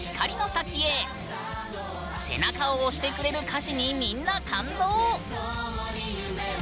背中を押してくれる歌詞にみんな感動！